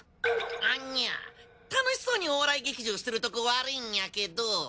あんニャ楽しそうにお笑い劇場してるとこ悪いんニャけど